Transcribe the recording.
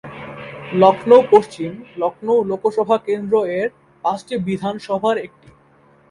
লখনউ পশ্চিম, লখনউ লোকসভা কেন্দ্র-এর পাঁচটি বিধানসভার একটি।